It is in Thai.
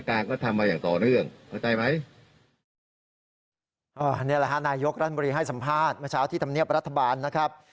นี่แหละฮะนายกรัฐมนตรีให้สัมภาษณ์เมื่อเช้าที่ธรรมเนียบรัฐบาลนะครับ